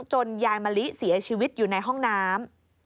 ยายมะลิเสียชีวิตอยู่ในห้องน้ำ